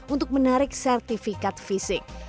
untuk menarik sertifikat fisik